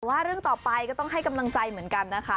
ว่าเรื่องต่อไปก็ต้องให้กำลังใจเหมือนกันนะคะ